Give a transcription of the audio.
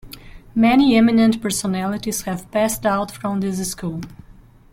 Many eminent personalities have passed out from this school.